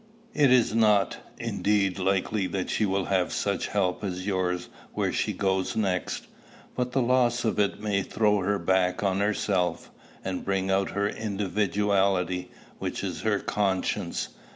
It is not indeed likely that she will have such help as yours where she goes next; but the loss of it may throw her back on herself, and bring out her individuality, which is her conscience.